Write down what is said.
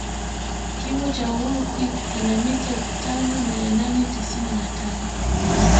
Kimo cha uhuru peak kina mita elfu tano mia nane tisini na tano